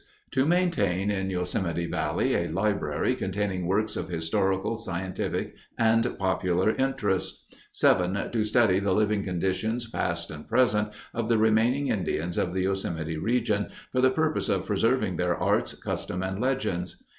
To maintain in Yosemite Valley a library containing works of historical, scientific, and popular interest. 7. To study the living conditions, past and present, of the remaining Indians of the Yosemite region, for the purpose of preserving their arts, customs, and legends.